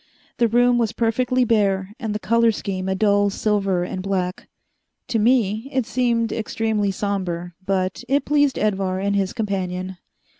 The room was perfectly bare, and the color scheme a dull silver and black. To me it seemed extremely somber, but it pleased Edvar and his companion.